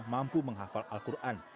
mampu menghafal al quran